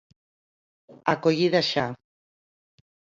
Acollida xa.